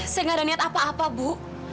saya nggak ada niat apa apa bu